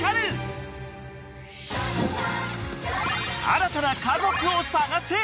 ［新たな家族を探せ］